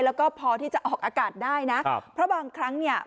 แล้วก็พอที่จะออกอากาศได้นะครับเพราะบางครั้งเนี่ย